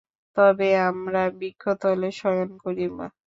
তবে আমরা বৃক্ষতলে শয়ন করিব।